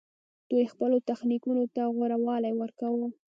دوی خپل تخنیکونو ته غوره والی ورکاوه